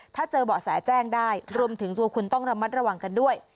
ถ้าเจอเบาะแสแจ้งได้รวมถึงตัวคุณต้องระมัดระวังกันด้วย